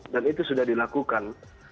dan itu sudah dilakukan